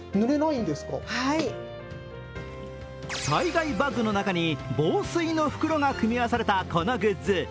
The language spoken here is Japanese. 災害バッグの中に防水の袋が組み合わされたこのグッズ。